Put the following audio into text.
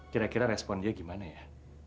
kira kira respon dia gimana ya